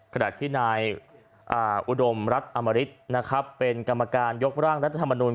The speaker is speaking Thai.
ขณะที่นายอุดมรัฐอมริตนะครับเป็นกรรมการยกร่างรัฐธรรมนุน